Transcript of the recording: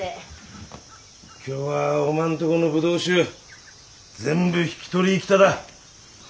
今日はおまんとこのブドウ酒全部引き取りぃ来ただ。